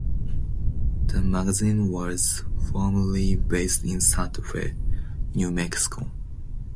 The magazine was formerly based in Santa Fe, New Mexico.